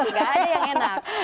nggak ada yang enak